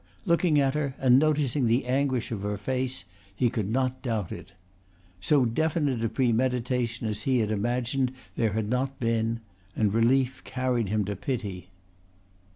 Looking at her and noticing the anguish of her face, he could not doubt it. So definite a premeditation as he had imagined there had not been, and relief carried him to pity.